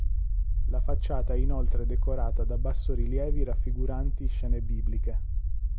La facciata è inoltre decorata da bassorilievi raffiguranti scene bibliche.